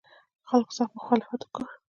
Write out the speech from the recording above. خلکو سخت مخالفت وکړ.